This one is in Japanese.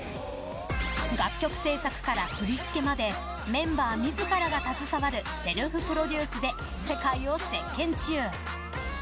楽曲制作から振り付けまでメンバー自らが携わるセルフプロデュースで世界を席巻中。